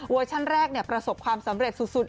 ชั่นแรกประสบความสำเร็จสุด